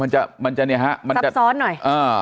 อ้าวซับซ้อนหน่อย